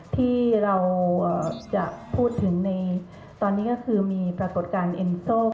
ที่เราจะพูดถึงในตอนนี้ก็คือมีปรากฏการณ์เอ็นโซล